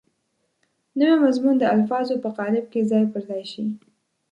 نوی مضمون د الفاظو په قالب کې ځای پر ځای شي.